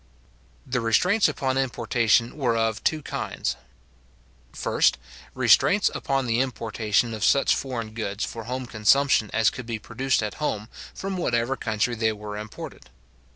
The restraints upon importation were of two kinds. First, restraints upon the importation of such foreign goods for home consumption as could be produced at home, from whatever country they were imported.